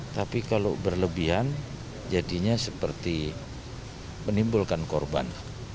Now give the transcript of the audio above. tapi kalau berlebihan jadinya seperti menimbulkan korban